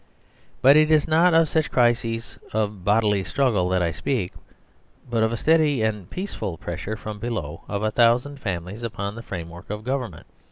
But it is not of such crises of bodily struggle that I speak, but of a steady and peaceful pressure from below of a thou sand families upon the framework of govern ment.